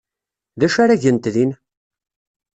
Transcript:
D acu ara gent din?